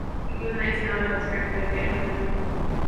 "Moonlight Sonata" was written by Beethoven.